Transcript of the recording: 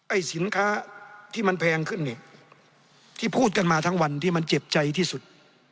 สินค้าที่มันแพงขึ้นเนี่ยที่พูดกันมาทั้งวันที่มันเจ็บใจที่สุด